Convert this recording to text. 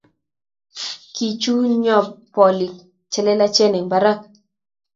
kichunyo bolik chelelachen en barak